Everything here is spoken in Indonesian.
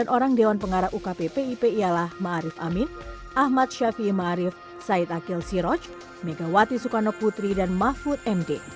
sembilan orang dewan pengarah ukp pip ialah ma'arif amin ahmad syafiee ma'arif said akil siroj megawati sukarno putri dan mahfud md